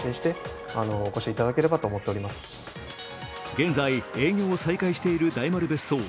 現在、営業を再開している大丸別荘。